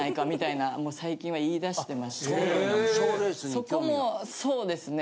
そこもそうですね